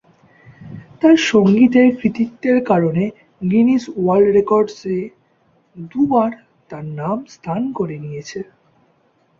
তার সঙ্গীতের কৃতিত্বের কারণে, "গিনেস ওয়ার্ল্ড রেকর্ডস" এ দুবার তার নাম স্থান করে নিয়েছে।